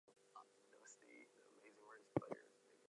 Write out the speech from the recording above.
The awards event is the opening event of the Auckland Writers Festival.